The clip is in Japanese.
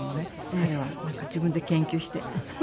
彼はなんか自分で研究してやってます。